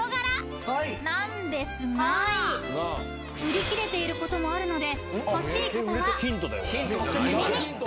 ［なんですが売り切れていることもあるので欲しい方はお早めに！］